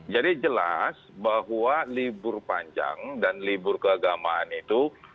jadi jelas bahwa libur panjang dan libur keagamaan itu